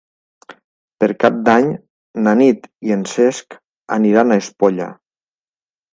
Per Cap d'Any na Nit i en Cesc aniran a Espolla.